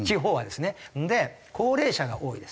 で高齢者が多いです。